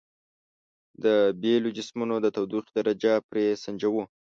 د بیلو جسمونو د تودوخې درجه پرې سنجوو.